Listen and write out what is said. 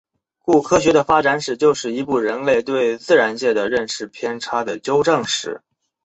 故科学的发展史就是一部人类对自然界的认识偏差的纠正史。